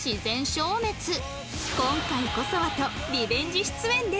今回こそはとリベンジ出演です